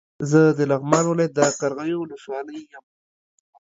زه د لغمان ولايت د قرغيو ولسوالۍ يم